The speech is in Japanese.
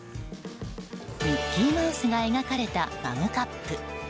ミッキーマウスが描かれたマグカップ。